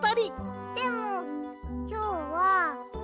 でもきょうは。